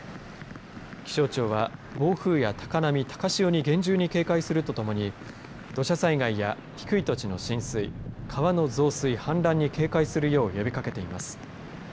気象庁は暴風や高波、高潮に厳重に警戒するとともに土砂災害や低い土地の浸水川の増水、氾濫に警戒するよう呼びかけています。